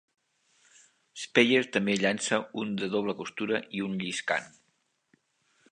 Speier també llança un de doble costura i un lliscant.